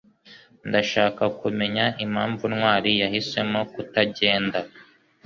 Ndashaka kumenya impamvu Ntwali yahisemo kutagenda